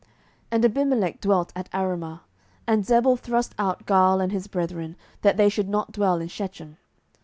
07:009:041 And Abimelech dwelt at Arumah: and Zebul thrust out Gaal and his brethren, that they should not dwell in Shechem.